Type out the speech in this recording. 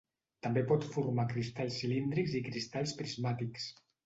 També pot formar cristalls cilíndrics i cristalls prismàtics.